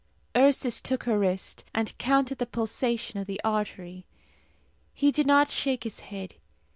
Ursus took her wrist, and counted the pulsation of the artery. He did not shake his head.